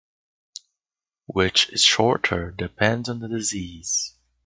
Which is shorter depends on the disease.